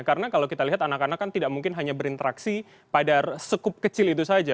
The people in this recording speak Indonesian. karena kalau kita lihat anak anak kan tidak mungkin hanya berinteraksi pada sekup kecil itu saja